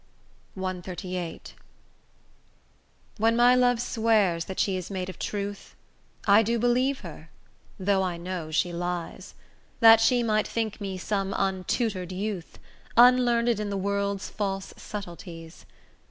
CXXXVIII When my love swears that she is made of truth, I do believe her though I know she lies, That she might think me some untutor'd youth, Unlearned in the world's false subtleties.